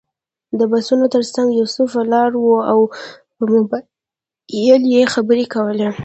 د بسونو تر څنګ یوسف ولاړ و او پر موبایل یې خبرې کولې.